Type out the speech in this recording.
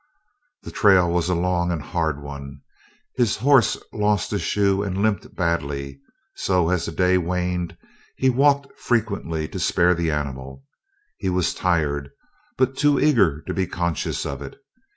The trail was a long and a hard one. His horse lost a shoe and limped badly, so, as the day waned, he walked frequently to spare the animal. He was tired, but too eager to be conscious of it.